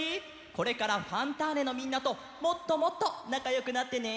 これから「ファンターネ！」のみんなともっともっとなかよくなってね！